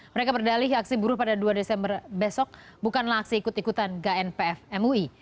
mereka berdalih aksi buruh pada dua desember besok bukanlah aksi ikut ikutan gan pf mui